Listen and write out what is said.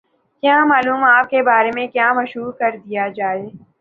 کیا معلوم آپ کے بارے میں کیا مشہور کر دیا جائے؟